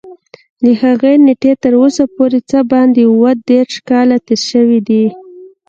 له هغې نېټې تر اوسه پورې څه باندې اووه دېرش کاله تېر شوي دي.